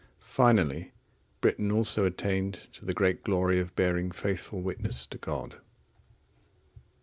Finally, Britain also attained to the great glory of bearing faithful witness to God.